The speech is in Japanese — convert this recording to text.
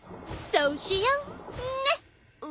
そうしよう！